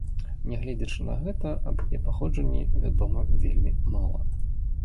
Нягледзячы на гэта, аб яе паходжанні вядома вельмі мала.